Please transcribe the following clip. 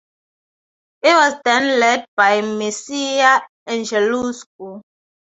It was then led by Mircea Angelescu.